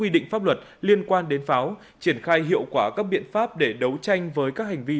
định pháp luật liên quan đến pháo triển khai hiệu quả các biện pháp để đấu tranh với các hành vi